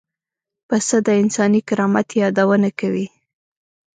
پسه د انساني کرامت یادونه کوي.